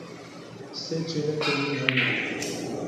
Sê çêlekên min hene.